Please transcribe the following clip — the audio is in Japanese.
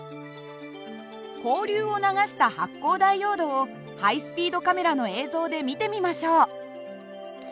交流を流した発光ダイオードをハイスピードカメラの映像で見てみましょう。